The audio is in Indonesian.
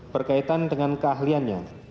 berkaitan dengan keahliannya